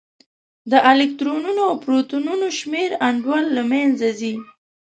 د الکترونونو او پروتونونو شمېر انډول له منځه ځي.